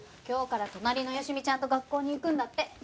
今日から隣の好美ちゃんと学校に行くんだって。